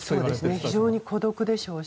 非常に孤独でしょうし。